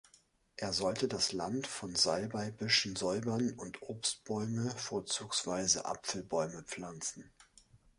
Er sollte das Land von Salbeibüschen säubern und Obstbäume, vorzugsweise Apfelbäume, pflanzen.